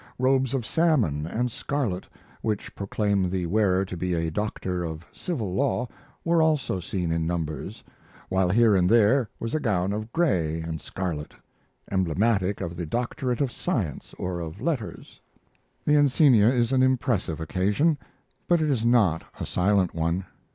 Robes of salmon and scarlet which proclaim the wearer to be a doctor of civil law were also seen in numbers, while here and there was a gown of gray and scarlet, emblematic of the doctorate of science or of letters. The encenia is an impressive occasion; but it is not a silent one.